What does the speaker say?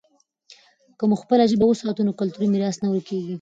که موږ خپله ژبه وساتو، نو کلتوري میراث نه ورکېږي.